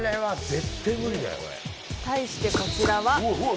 対して、こちらは。